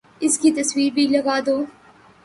اس کی تصویر بھی لگا دو